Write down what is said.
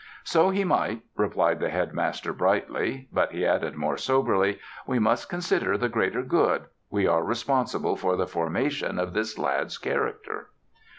"So he might," replied the Headmaster brightly, but he added, more soberly, "we must consider the greater good. We are responsible for the formation of this lad's character."